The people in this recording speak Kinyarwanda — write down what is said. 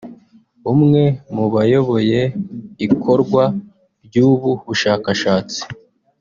umwe mu bayoboye ikorwa ry’ubu bushakashatsi